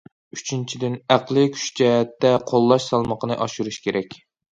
ئۈچىنچىدىن، ئەقلىي كۈچ جەھەتتە قوللاش سالمىقىنى ئاشۇرۇش كېرەك.